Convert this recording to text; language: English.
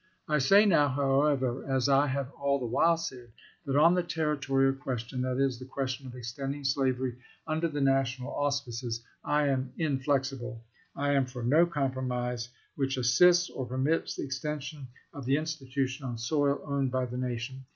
I say now, however, as I have all the while said, that on the territorial question — that is, the question of extending slavery under the national auspices — I am in flexible. I am for no compromise which assists or per mits the extension of the institution on soil owned by the nation.